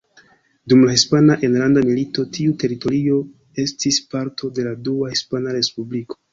Dum la Hispana Enlanda Milito tiu teritorio estis parto de la Dua Hispana Respubliko.